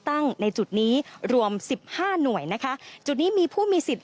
ในจุดนี้รวมสิบห้าหน่วยนะคะจุดนี้มีผู้มีสิทธิ